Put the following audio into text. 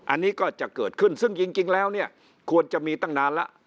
อันนี้ก็จะเกิดขึ้นซึ่งจริงแล้วเนี่ยควรจะมีตั้งนานแล้ว